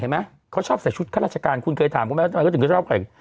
เห็นไหมเค้าชอบใส่ชุดผ้าราชการคุณเคยถามกูมึงเอา